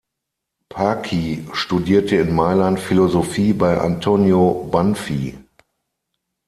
Paci studierte in Mailand Philosophie bei Antonio Banfi.